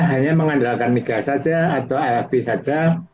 hanya mengandalkan nikel saja atau lfp saja